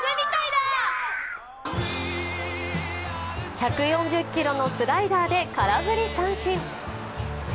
１４０キロのスライダーで空振り三振。